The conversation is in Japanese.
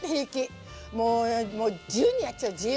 もうもう自由にやっちゃう自由に！